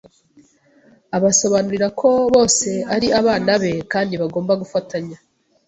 abasobanurira ko bose ari abana be kandi bagomba gufatanya